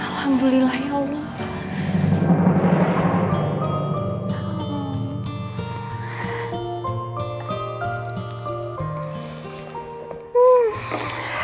alhamdulillah ya allah